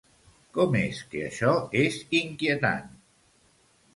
Com és que això és inquietant?